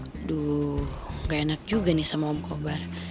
aduh gak enak juga nih sama om kobar